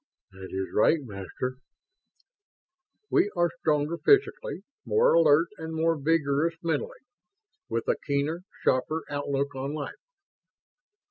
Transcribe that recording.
"That is right, Master." "We are stronger physically, more alert and more vigorous mentally, with a keener, sharper outlook on life?"